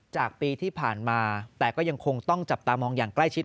จากปีที่ผ่านมาแต่ก็ยังคงต้องจับตามองอย่างใกล้ชิด